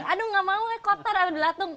aduh nggak mau ya kotor ada belatung